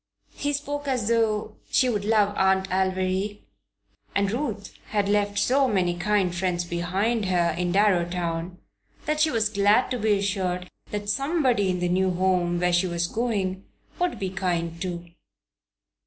He spoke as though she would love Aunt Alviry, and Ruth had left so many kind friends behind her in Darrowtown that she was glad to be assured that somebody in the new home where she was going would be kind, too.